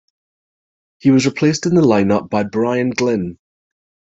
He was replaced in the lineup by Brian Glynn.